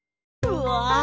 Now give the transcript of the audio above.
うわ！